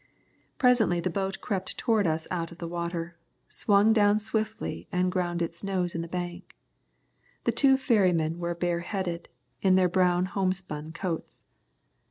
Presently the boat crept towards us out of the water, swung down swiftly and ground its nose in the bank. The two ferrymen were bareheaded, in their brown homespun coats.